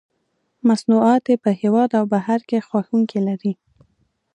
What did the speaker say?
مصنوعات یې په هېواد او بهر کې خوښوونکي لري.